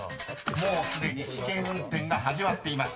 ［もうすでに試験運転が始まっています］